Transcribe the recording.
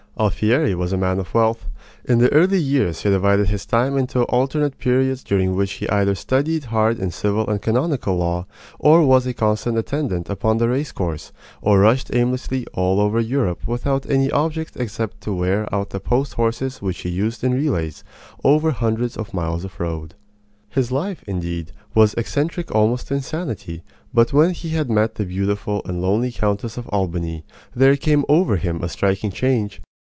Alfieri was a man of wealth. In early years he divided his time into alternate periods during which he either studied hard in civil and canonical law, or was a constant attendant upon the race course, or rushed aimlessly all over Europe without any object except to wear out the post horses which he used in relays over hundreds of miles of road. His life, indeed, was eccentric almost to insanity; but when he had met the beautiful and lonely Countess of Albany there came over him a striking change.